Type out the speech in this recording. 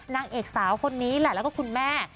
นางเอกสาวคนนี้แหละแล้วก็คุณแม่